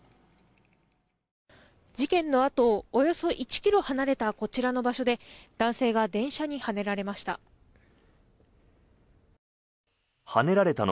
事件のあとおよそ１ｋｍ離れたこちらの場所で男性が電車にはねられました。